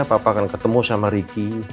papa akan ketemu sama riki